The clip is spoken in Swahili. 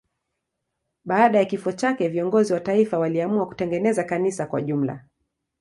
Baada ya kifo chake viongozi wa taifa waliamua kutengeneza kanisa kwa jumla.